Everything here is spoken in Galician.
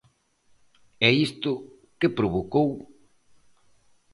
E isto, ¿que provocou?